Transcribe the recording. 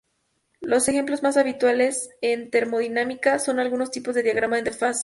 Los ejemplos más habituales en termodinámica son algunos tipos de diagrama de fase.